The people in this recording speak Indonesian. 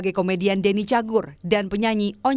kini siap menjadi politikus senayan